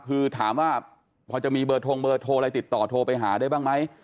คือถามว่าพอจะมีเบอร์ทงเบอร์โทรอะไรติดต่อโทรไปหาได้บ้างไหม